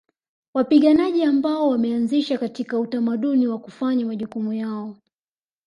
Wapiganaji ambao wameanzishwa katika utamaduni wa kufanya majukumu yao